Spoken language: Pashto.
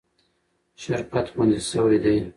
شرکت خوندي شوی دی.